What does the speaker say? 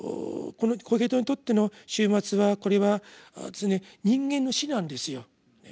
このコヘレトにとっての終末はこれは人間の死なんですよ。